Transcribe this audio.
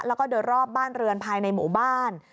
แล้วก็โดยรอบบ้านเรือนภายในหมู่บ้าน